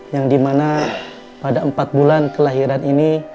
yang dimana pada empat bulan kelahiran ini